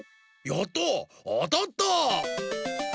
やったあたった！